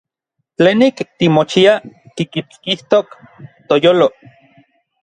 Tlenik timochiaj kikitskijtok n toyolo.